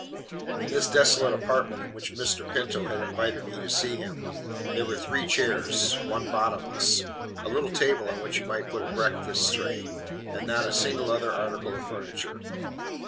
In this desolate apartment in which Mr. Pinto had invited me to see him, there were three chairs, one bottomless, a little table on which you might put a breakfast tray, and not a single other article of furniture.